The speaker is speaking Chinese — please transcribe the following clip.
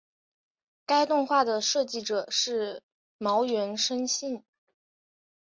该动画的设计者是茅原伸幸。